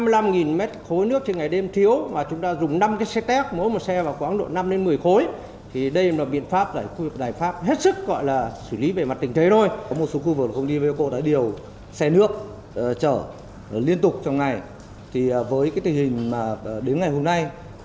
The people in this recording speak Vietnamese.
liên tục trong ngày với tình hình đến ngày hôm nay